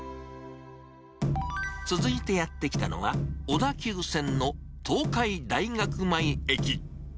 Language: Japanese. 続いてやって来たのは、小田急線の東海大学前駅。